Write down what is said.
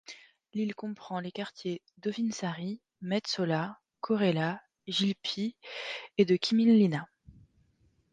L'île comprend les quartiers de Hovinsaari, Metsola, Korela, Jylppy et de Kyminlinna.